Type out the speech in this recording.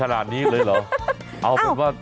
อยู่นี่หุ่นใดมาเพียบเลย